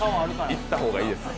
いったほうがいいですよ。